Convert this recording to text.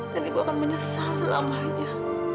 dan ibu akan menyesal selamanya